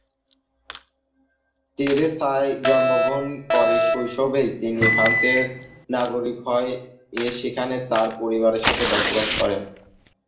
টেরেসায় জন্মগ্রহণ করে শৈশবেই তিনি ফ্রান্সের নাগরিক হয়ে সেখানেই তার পরিবারের সাথে বসবাস করেন।